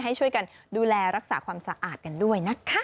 ให้ช่วยกันดูแลรักษาความสะอาดกันด้วยนะคะ